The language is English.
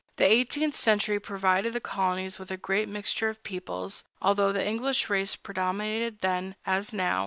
The eighteenth century provided the colonies with a great mixture of peoples, although the English race predominated then, as now.